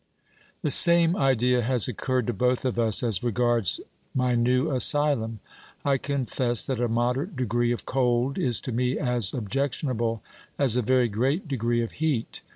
The same idea has occurred to both of us as regards my new asylum. I confess that a moderate degree of cold is to me as objectionable as a very great degree of heat.